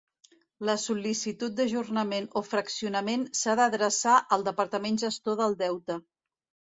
La sol·licitud d'ajornament o fraccionament s'ha d'adreçar al departament gestor del deute.